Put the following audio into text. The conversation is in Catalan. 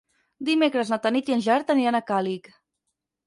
Dimecres na Tanit i en Gerard aniran a Càlig.